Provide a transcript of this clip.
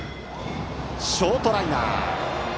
ショートライナー。